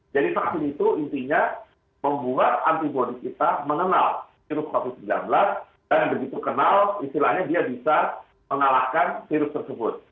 jadi vaksin itu intinya membuat antibodi kita mengenal virus covid sembilan belas dan begitu kenal istilahnya dia bisa mengalahkan virus tersebut